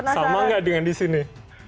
sama nggak dengan di sini